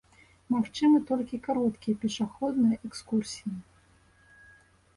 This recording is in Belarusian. Магчымы толькі кароткія пешаходныя экскурсіі.